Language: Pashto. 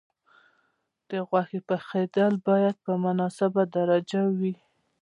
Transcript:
د غوښې پخېدل باید په مناسبه درجه وي.